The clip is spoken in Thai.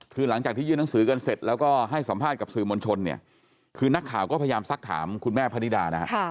คือหลังจากที่ยื่นหนังสือกันเสร็จแล้วก็ให้สัมภาษณ์กับสื่อมวลชนเนี่ยคือนักข่าวก็พยายามซักถามคุณแม่พนิดานะฮะ